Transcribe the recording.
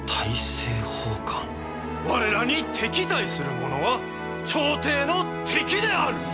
我らに敵対するものは朝廷の敵である！